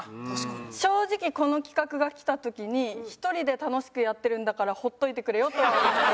正直この企画が来た時に１人で楽しくやってるんだからほっといてくれよとは思いました。